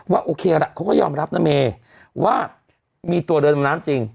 โอเคละเขาก็ยอมรับนะเมว่ามีตัวเรือดำน้ำจริง